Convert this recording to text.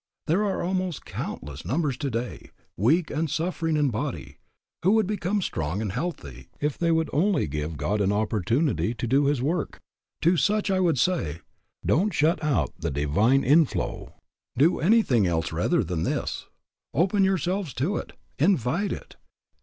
There are almost countless numbers today, weak and suffering in body, who would become strong and healthy if they would only give God an opportunity to do His work. To such I would say, Don't shut out the divine inflow. Do anything else rather than this. Open yourselves to it. Invite it.